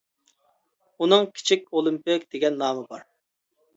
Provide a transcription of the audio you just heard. ئۇنىڭ «كىچىك ئولىمپىك» دېگەن نامى بار.